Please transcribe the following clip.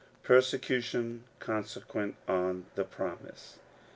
23 PERSECUTION CONSEQUENT ON THE PROMISE.